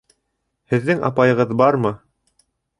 Һеҙҙең апайығыҙ бармы?